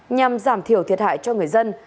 nhằm giảm thiểu thiệt hại cho người dân